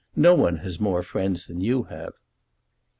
No one has more friends than you have."